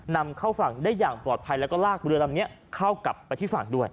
นำเข้าฝั่งได้อย่างปลอดภัยแล้วก็ลากเรือลำนี้เข้ากลับไปที่ฝั่งด้วย